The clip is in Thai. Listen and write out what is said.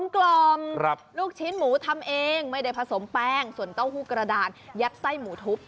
กล่อมลูกชิ้นหมูทำเองไม่ได้ผสมแป้งส่วนเต้าหู้กระดานยัดไส้หมูทุบ